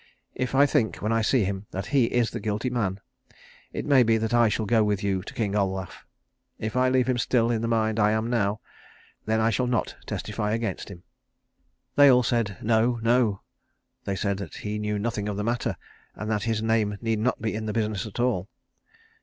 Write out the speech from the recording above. If I think, when I see him, that he is the guilty man, it may be that I shall go with you to King Olaf. If I leave him still in the mind I am in now, then I shall not testify against him." They all said, No, no. They said that he knew nothing of the matter, and that his name need not be in the business at all.